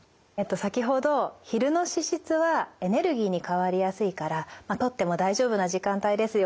先ほど昼の脂質はエネルギーに変わりやすいからとっても大丈夫な時間帯ですよ